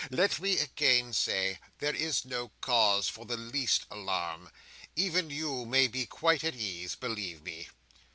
Let me again say, there is no cause for the least alarm. Even you may be quite at ease, believe me."